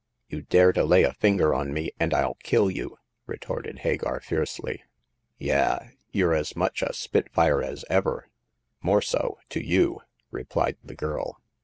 277 You dare to lay a finger on me, and FU kill you !" retorted Hagar, fiercely. Yah ! You're as much a spitfire as ever !"*' More so — to you !" replied the girl.